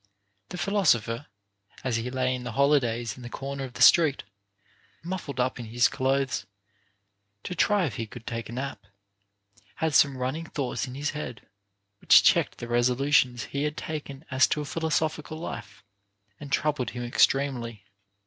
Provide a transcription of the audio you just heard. The philosopher, as he lay in the holi days in the corner of the street, muffled up in his clothes, to try if he could take a nap, had some running thoughts in his head, which checked the resolutions he had taken as to a philosophical life, and troubled him extremely.